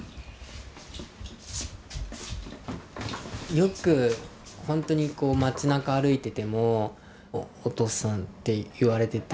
よくほんとに町なか歩いててもお父さんって言われてて。